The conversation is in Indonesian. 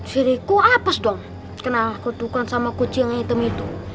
si riku apes dong kenal ketukan sama kucing hitam itu